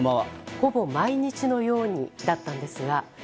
ほぼ毎日のようにだったんですが。